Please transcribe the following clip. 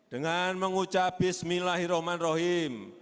dengan mengucap bismillahirrahmanirrahim